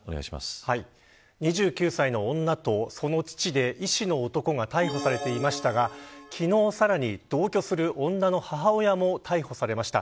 ２９歳の女とその父で医師の男が逮捕されていましたが昨日さらに同居する女の母親も逮捕されました。